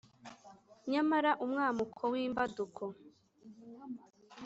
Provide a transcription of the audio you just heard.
Nyamara umwamuko w'imbaduko